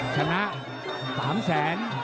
ชนะ๓แสน